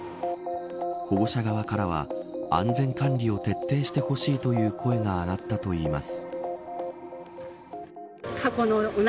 保護者側からは安全管理を徹底してほしいという声が上がったといいます。